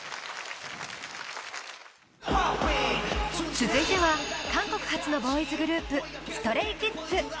続いては韓国発のボーイズグループＳｔｒａｙＫｉｄｓ。